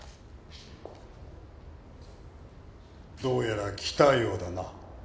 どうやら来たようだな。